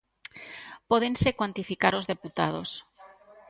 Pódense cuantificar os deputados.